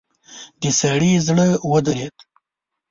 د سړي زړه ودرېد.